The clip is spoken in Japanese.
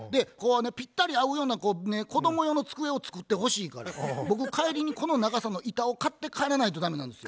ぴったり合うような子供用の机を作ってほしいから僕帰りにこの長さの板を買って帰らないと駄目なんです。